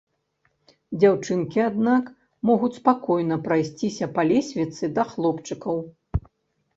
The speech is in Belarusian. Дзяўчынкі, аднак, могуць спакойна прайсціся па лесвіцы да хлопчыкаў.